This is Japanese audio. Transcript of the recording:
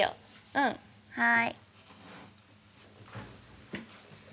うんはい。